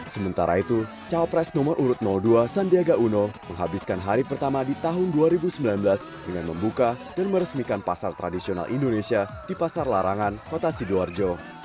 sementara itu cawapres nomor urut dua sandiaga uno menghabiskan hari pertama di tahun dua ribu sembilan belas dengan membuka dan meresmikan pasar tradisional indonesia di pasar larangan kota sidoarjo